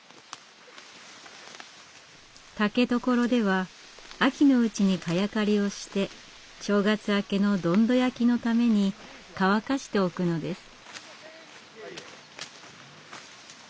竹所では秋のうちに萱刈りをして正月明けのどんど焼きのために乾かしておくのです。